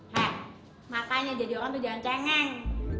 hek makanya jadi orang tuh jangan cengeng